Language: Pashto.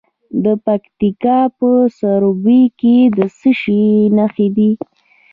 د پکتیکا په سروبي کې د څه شي نښې دي؟